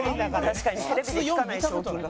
確かにテレビで聞かない賞金額。